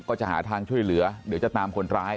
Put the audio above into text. ก็จะหาทางช่วยเหลือเดี๋ยวจะตามคนร้าย